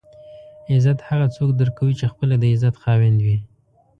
عزت هغه څوک درکوي چې خپله د عزت خاوند وي.